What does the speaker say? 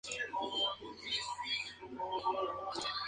Sanhueza estudió geología y paralelamente, lenguas clásicas.